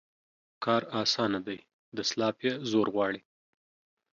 کار اسانه دى ، دسلاپ يې زور غواړي.